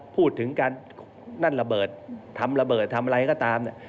พูดถึงการทำระเบิดทำอะไรก็ตาม